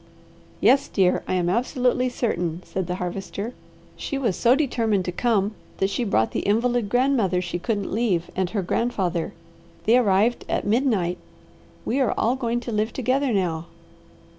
"Yes dear, I am absolutely certain," said the Harvester. "She was so determined to come that she brought the invalid grandmother she couldn't leave and her grandfather. They arrived at midnight. We are all going to live together now."